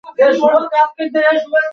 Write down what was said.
তবে নিরাপত্তার জামানত অবশ্যই নেয়া চাই।